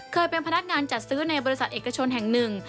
เคยเป็นพนักงานจัดซื้อในบริษัทเอกชนแห่งหนึ่ง